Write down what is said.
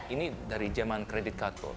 ini dari zaman kredit kartu